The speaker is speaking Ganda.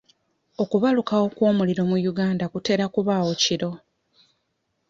Okubalukawo kw'omuliro mu Uganda kutera kubaawo kiro.